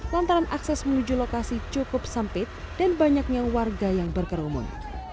lantaran akses menuju lokasi cukup sempit dan banyaknya warga yang berkerumun